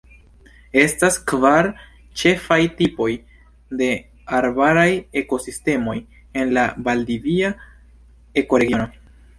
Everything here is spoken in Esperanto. Estas kvar ĉefaj tipoj de arbaraj ekosistemoj en la valdivia ekoregiono.